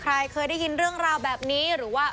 ใครเคยได้ยินเรื่องราวแบบนี้หรือว่า